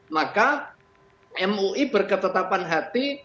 maka mui berketetapan hati